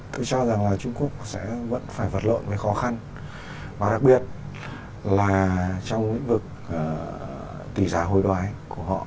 tôi cho rằng là trung quốc sẽ vẫn phải vật lộn với khó khăn và đặc biệt là trong lĩnh vực tỷ giá hồi đoái của họ